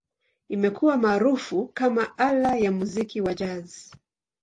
Imekuwa maarufu kama ala ya muziki wa Jazz.